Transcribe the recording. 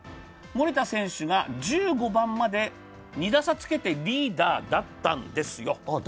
森田選手が１５番まで２打差つけてリーダーだったんですよ。